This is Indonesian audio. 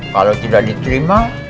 kalau tidak diterima